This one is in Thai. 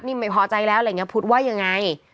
นิ่มไม่พอใจแล้วพุทธว่ายังไง